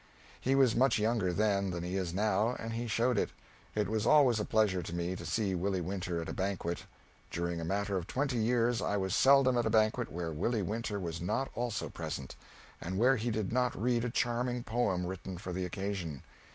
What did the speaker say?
He was much younger then than he is now, and he showed it. It was always a pleasure to me to see Willie Winter at a banquet. During a matter of twenty years I was seldom at a banquet where Willie Winter was not also present, and where he did not read a charming poem written for the occasion.